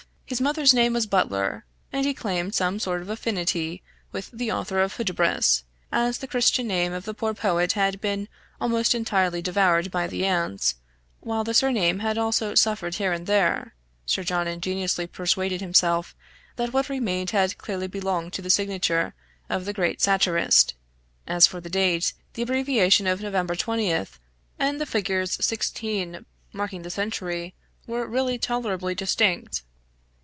His mother's name was Butler, and he claimed some sort of affinity with the author of Hudibras; as the Christian name of the poor poet had been almost entirely devoured by the ants, while the surname had also suffered here and there, Sir John ingeniously persuaded himself that what remained had clearly belonged to the signature of the great satirist; as for the date, the abbreviation of "Nov. 20th." and the figures 16 marking the century, were really tolerably distinct.